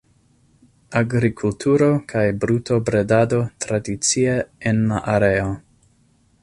Agrikulturo kaj brutobredado tradicie en la areo.